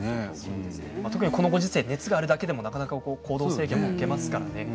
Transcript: このご時世熱があるだけでも行動制限を受けますからね。